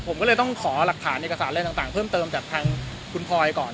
ผมก็เลยต้องขอหลักฐานเอกสารอะไรต่างเพิ่มเติมจากทางคุณพลอยก่อน